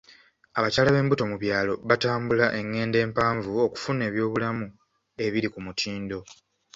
Abakyala b'embuto mu byalo batambula engendo empanvu okufuna eby'obulamu ebiri ku mutindo.